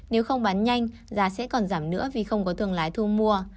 nếu không bán nhanh giá sẽ còn giảm nữa vì không có thương lái thu mua